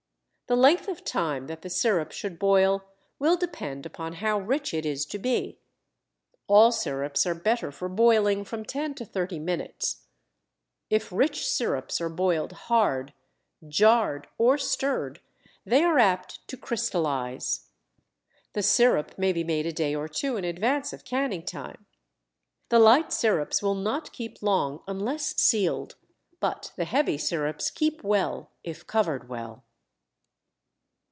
The length of time that the sirup should boil will depend upon how rich it is to be. All sirups are better for boiling from ten to thirty minutes. If rich sirups are boiled hard, jarred, or stirred they are apt to crystallize. The sirup may be made a day or two in advance of canning time. The light sirups will not keep long unless sealed, but the heavy sirups keep well if covered well.